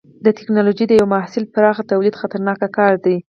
د ټېکنالوجۍ د یوه محصول پراخه تولید خطرناک کار دی.